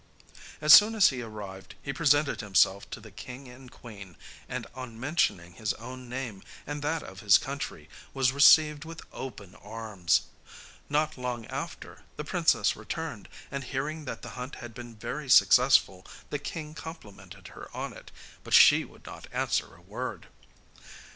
As soon as he arrived, he presented himself to the king and queen, and on mentioning his own name and that of his country, was received with open arms. Not long after, the princess returned, and hearing that the hunt had been very successful, the king complimented her on it, but she would not answer a word.